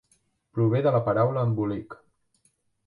Prové de la paraula "embolic".